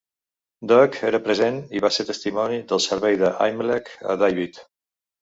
Doeg era present i va ser testimoni del servei d'Ahimelech a David.